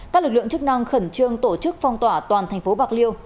các lực lượng chức năng khẩn trương tổ chức phong tỏa toàn thành phố bạc liêu